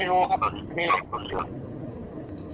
มีรูปคนเดียว